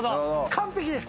完璧です！